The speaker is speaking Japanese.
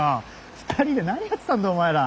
２人で何やってたんだお前ら。